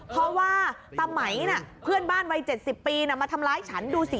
เพราะว่าตำไมน่ะเพื่อนบ้านวัยเจ็ดสิบปีเนอะมาทำร้ายฉันดูสิ